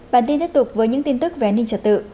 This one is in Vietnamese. bản tin tiếp tục với những tin tức về an ninh trật tự